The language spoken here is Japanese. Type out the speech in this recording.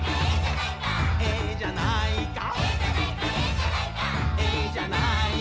「えじゃないか」